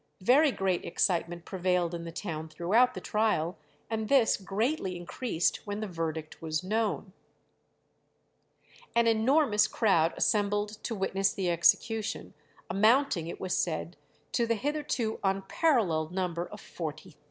Very great excitement prevailed in the town throughout the trial, and this greatly increased when the verdict was known. An enormous crowd assembled to witness the execution, amounting, it was said, to the hitherto unparalleled number of 40,000.